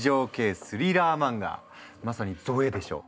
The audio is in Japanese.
まさに「ゾえ」でしょう！